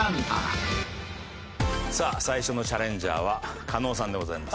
さあ最初のチャレンジャーは加納さんでございます。